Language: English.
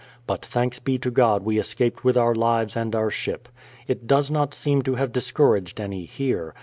But thanks be to God we escaped with our lives and our ship. It does not seem to have discouraged any here.